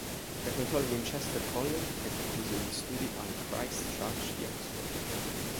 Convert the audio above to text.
Frequentò il Winchester College e concluse gli studi al Christ Church di Oxford.